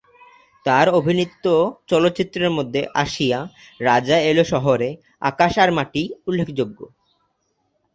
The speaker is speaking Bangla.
তার অভিনীত চলচ্চিত্রের মধ্যে "আসিয়া", "রাজা এলো শহরে", "আকাশ আর মাটি" উল্লেখযোগ্য।